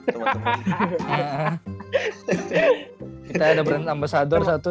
kita ada brand ambasador satu